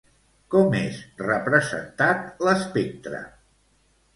Com és representat l'espectre?